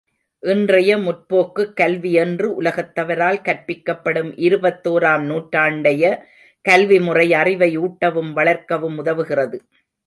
இன்றைய முற்போக்குக் கல்வி என்று உலகத்தவரால் கற்பிக்கப்படும் இருபத்தோராம் நூற்றாண்டைய கல்வி முறை அறிவை ஊட்டவும், வளர்க்கவும் உதவுகிறது.